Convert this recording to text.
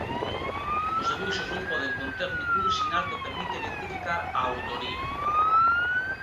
Os debuxos non poden conter ningún sinal que permita identificar a autoría.